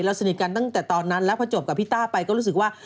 สนิทกันตั้งแต่ตอนนั้นแล้วพอจบกับพี่ต้าไปก็รู้สึกว่า